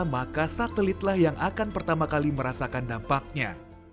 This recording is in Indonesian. maka satelitlah yang akan pertama kali merasakan dampaknya